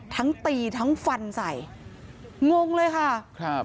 ทั้งตีทั้งฟันใส่งงเลยค่ะครับ